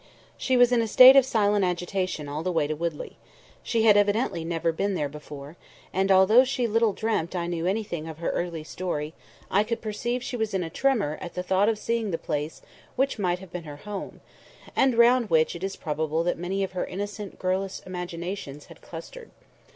She was in a state of silent agitation all the way to Woodley. She had evidently never been there before; and, although she little dreamt I knew anything of her early story, I could perceive she was in a tremor at the thought of seeing the place which might have been her home, and round which it is probable that many of her innocent girlish imaginations had clustered.